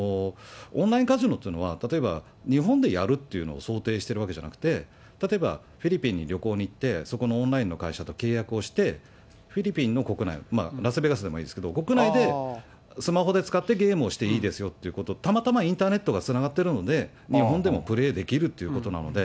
オンラインカジノというのは、例えば日本でやるっていうのを想定してるわけじゃなくて、例えばフィリピンに旅行に行って、そこのオンラインの会社と契約をして、フィリピンの国内、ラスベガスでもいいですけど、国内でスマホで使ってゲームをしていいですよっていう、たまたまインターネットがつながってるので、日本でもプレーできるということなので。